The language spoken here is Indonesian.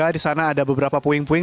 di sana ada beberapa puing puing